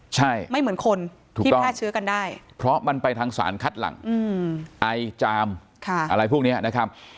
ใช่ไม่เหมือนคนที่แพร่เชื้อกันได้เพราะมันไปทางสารคัดหลังไอจามอะไรพวกนี้นะครับ